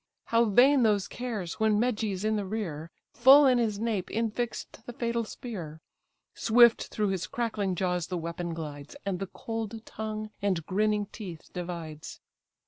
How vain those cares! when Meges in the rear Full in his nape infix'd the fatal spear; Swift through his crackling jaws the weapon glides, And the cold tongue and grinning teeth divides.